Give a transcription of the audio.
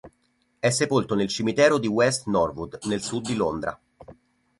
È sepolto nel cimitero di West Norwood nel sud di Londra.